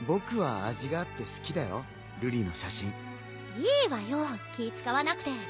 いいわよ気使わなくて。